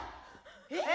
えっ？